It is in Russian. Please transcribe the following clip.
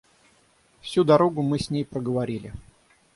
Всю дорогу мы с ней проговорили.